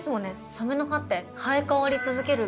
サメの歯って生え変わり続けるって。